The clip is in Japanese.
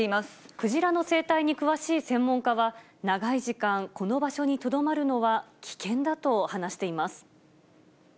クジラの生態に詳しい専門家は、長い時間、この場所にとどまるのは危険だと話しています。